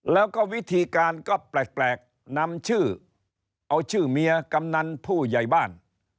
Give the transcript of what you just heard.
แล้วก็วิธีการก็แปลกนำชื่อเอาชื่อเมียกำนันผู้ใหญ่บ้าน